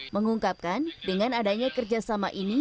mengungkapkan dengan adanya kerjasama ini